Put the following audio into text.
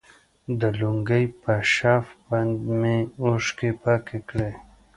د لونګۍ په شف باندې مې اوښكې پاكې كړي.